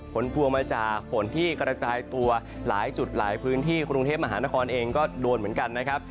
พวงมาจากฝนที่กระจายตัวหลายจุดหลายพื้นที่กรุงเทพมหานครเองก็โดนเหมือนกันนะครับ